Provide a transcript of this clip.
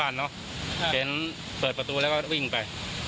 พูดแบบเสร็จประตูแล้วก็วิ่งไป